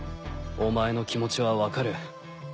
お前の気持ちはわかる。